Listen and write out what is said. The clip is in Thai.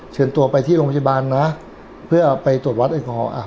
เชิญตัวไปที่โรงพยาบาลนะเพื่อไปตรวจวัดแอลกอฮอลอ่ะ